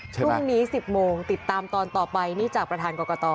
พรุ่งนี้๑๐โมงติดตามตอนต่อไปนี่จากประธานกรกต